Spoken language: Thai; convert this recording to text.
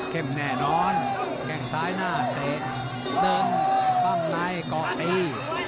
เข้มแน่นอนแกล้งซ้ายหน้าเตะเดินคว่ำในกอดตี